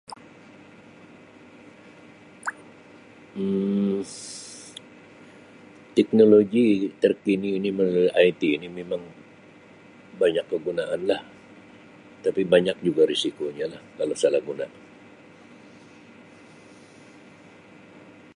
Um Teknologi terkini ini melalui IT ini memang banyak kegunaan lah tapi banyak juga risikonya lah kalau salah guna.